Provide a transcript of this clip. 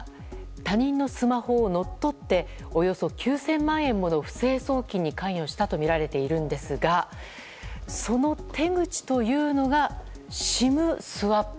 他人のスマホを乗っ取っておよそ９０００万円もの不正送金に関与したとみられているんですがその手口というのがＳＩＭスワップ。